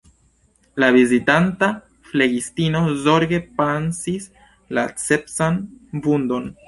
La vizitanta flegistino zorge pansis la sepsan vundon.